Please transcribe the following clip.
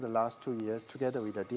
selama dua tahun ini bersama dengan pembeli